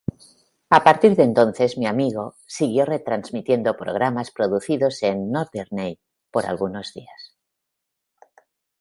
A partir de entonces "Mi Amigo" sigo retransmitiendo programas producidos en "Norderney"por algunos días.